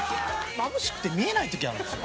まぶしくて見えない時あるんですよ。